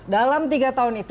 dalam tiga tahun itu